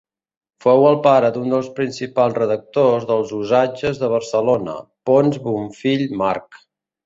Fou el pare d'un dels principals redactors dels Usatges de Barcelona, Ponç Bonfill Marc.